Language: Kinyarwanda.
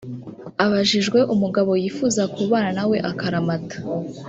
Abajijwe umugabo yifuza kubana na we akaramata